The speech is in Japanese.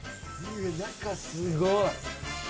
中すごい！